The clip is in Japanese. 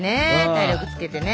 体力つけてね。